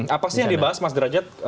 apa sih yang dibahas mas derajat